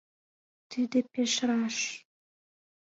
Тиде пеш раш.